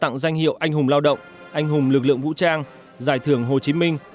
tặng danh hiệu anh hùng lao động anh hùng lực lượng vũ trang giải thưởng hồ chí minh